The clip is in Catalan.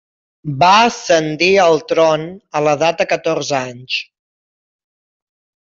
Va ascendir al tron a l'edat de catorze anys.